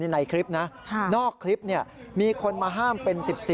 ในคลิปนะนอกคลิปมีคนมาห้ามเป็น๑๐